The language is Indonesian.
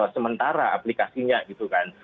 sementara aplikasinya gitu kan